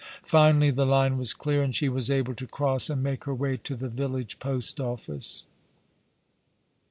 Finally the line was clear, and she was able to cross and make her way to the village post office.